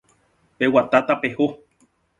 ¡Peguata, tapeho!